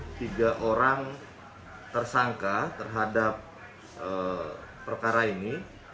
ada tiga orang tersangka terhadap perkara ini